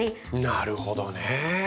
なるほどね。